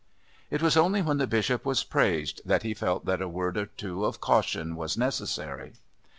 It was only when the Bishop was praised that he felt that a word or two of caution was necessary.